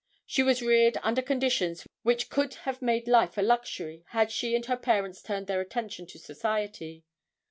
She was reared under conditions which could have made life a luxury had she and her parents turned their attention to society.